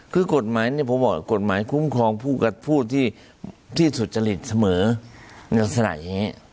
กฎหมายคุ้มครองพูดกับพูดที่สุจรินเสมอลักษณะอย่างนี้